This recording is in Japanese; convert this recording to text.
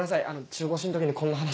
中腰の時にこんな話。